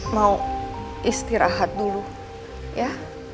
mau istirahat dulu ya